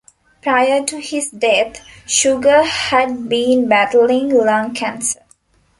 Prior to his death, Sugar had been battling lung cancer.